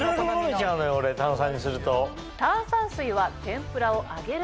俺炭酸にすると。